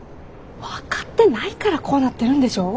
分かってないからこうなってるんでしょ！